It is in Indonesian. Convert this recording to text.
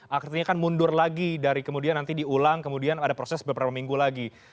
artinya kan mundur lagi dari kemudian nanti diulang kemudian ada proses beberapa minggu lagi